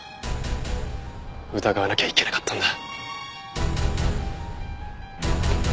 疑わなきゃいけなかったんだ。